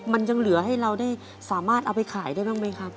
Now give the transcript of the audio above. มันยังเหลือให้เราได้สามารถเอาไปขายได้บ้างไหมครับ